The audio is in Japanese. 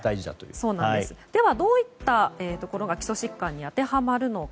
では、どういったところが基礎疾患に当てはまるのか。